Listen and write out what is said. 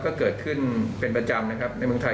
ก็เกิดขึ้นเป็นประจำนะครับในเมืองไทย